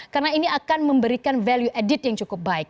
karena ini akan memberikan value added yang cukup baik